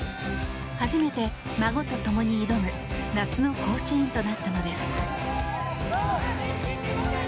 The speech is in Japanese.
初めて孫と共に挑む夏の甲子園となったのです。